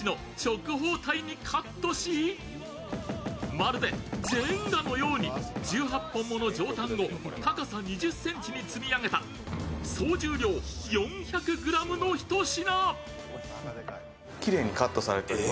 まるでジェンガのように１８本もの上タンを高さ２０ｃｍに積み上げた総重量４００ｇのひと品。